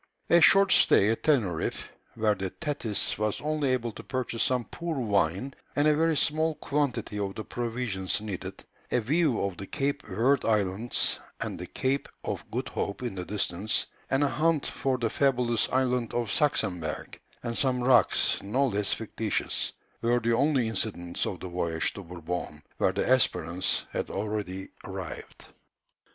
A short stay at Teneriffe, where the Thetis was only able to purchase some poor wine and a very small quantity of the provisions needed; a view of the Cape Verd Islands and the Cape of Good Hope in the distance, and a hunt for the fabulous island of Saxemberg, and some rocks no less fictitious, were the only incidents of the voyage to Bourbon, where the Espérance had already arrived.